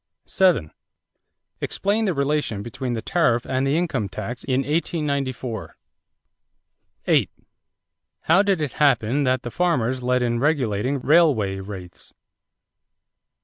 7. Explain the relation between the tariff and the income tax in 1894. 8. How did it happen that the farmers led in regulating railway rates?